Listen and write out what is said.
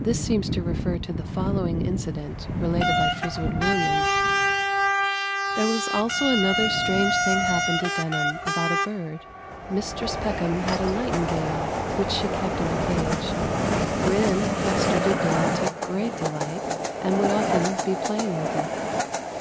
This seems to refer to the following incident related by Friswood Williams: "There was also another strange thing happened at Denham about a bird. Mistris Peckham had a nightingale, which she kept in a cage, wherein Maister Dibdale took great delight, and would often be playing with it.